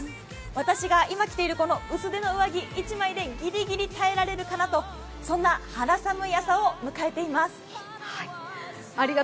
私が今、着ている薄着の上着、一枚でぎりぎり耐えられるかなと、そんな肌寒い朝を迎えています。